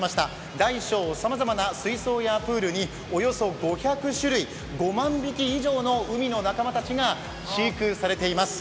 大小さまざまな水槽やプールにおよそ５００種類５万匹以上の海の仲間たちが飼育されています。